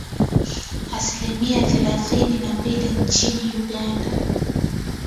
asilimia thelathini na mbili nchini Uganda